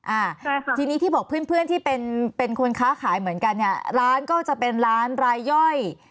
อ่าทีนี้ที่บอกเพื่อนเพื่อนที่เป็นเป็นคนค้าขายเหมือนกันเนี่ยร้านก็จะเป็นร้านรายย่อย